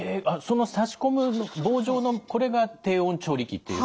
その差し込む棒状のこれが低温調理器っていうんですか？